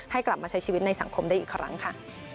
กลับมาใช้ชีวิตในสังคมได้อีกครั้งค่ะ